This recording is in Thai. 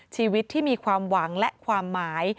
ชีวิตที่มีความหวังและความหมาย